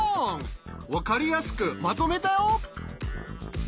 分かりやすくまとめたよ。